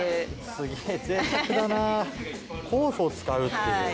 すげぇ贅沢だな酵素を使うっていう。